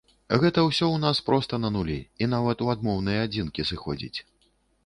Гэта ўсё ў нас проста на нулі, і нават у адмоўныя адзінкі сыходзіць.